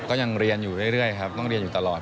ก็ยังเรียนอยู่เรื่อยครับต้องเรียนอยู่ตลอด